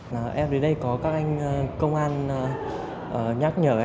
hãy puzzle qua tạp phong cách giết leggat gilisten app ai đấy